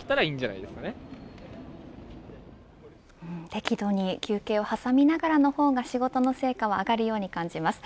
適度に休憩を挟みながらの方が仕事の成果は上がるように感じます。